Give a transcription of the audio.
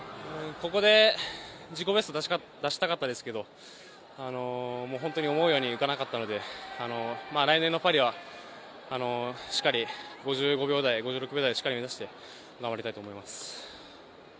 ここで自己ベスト出したかったですけど本当に思うようにいかなかったので来年のパリはしっかり５５秒台、５６秒台目指して頑張りたいと思います。